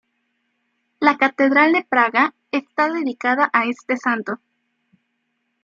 La catedral de Praga está dedicada a este santo.